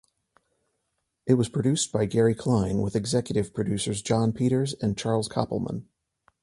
It was produced by Gary Klein with executive producers Jon Peters and Charles Koppelman.